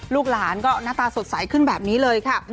ลูกหลานก็หน้าตาสดใสขึ้นแบบนี้เลยค่ะ